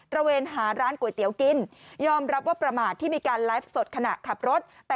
ระเวนหาร้านก๋วยเตี๋ยวกินยอมรับว่าประมาทที่มีการไลฟ์สดขณะขับรถ